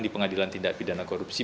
di pengadilan tindak pidana korupsi